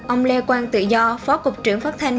ông lê quang tự do phó cục trưởng phát thanh